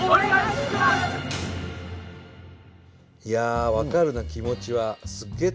いやあ分かるな気持ちは。